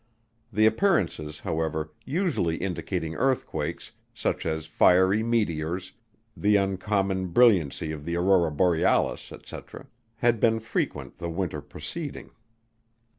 The appearances, however, usually indicating earthquakes, such as fiery meteors, the uncommon brilliancy of the aurora borealis, &c. had been frequent the winter preceding.